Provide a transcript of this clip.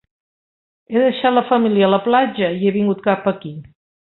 He deixat la família a la platja i he vingut cap aquí.